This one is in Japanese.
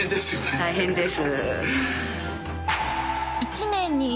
大変です。